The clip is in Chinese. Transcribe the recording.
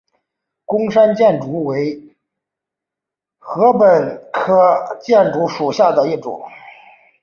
贡山箭竹为禾本科箭竹属下的一个种。